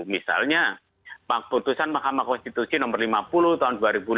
misalnya putusan mahkamah konstitusi nomor lima puluh tahun dua ribu lima belas